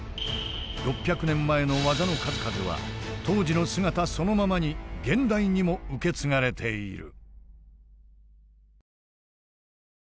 ６００年前の技の数々は当時の姿そのままに現代にも受け継がれている。